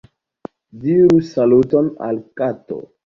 Diru saluton al kato.